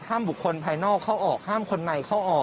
บุคคลภายนอกเข้าออกห้ามคนในเข้าออก